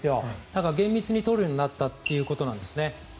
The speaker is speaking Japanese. だから、厳密に取るようになったということですね。